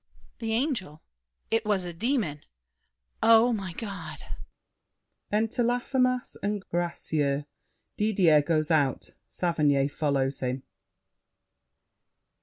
] The angel— It was a demon! Oh, my God! [Enter Laffemas and Gracieux. Didier goes out; Saverny follows him.